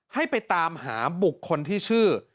ให้ไปตามหาบุคคลที่ชื่อ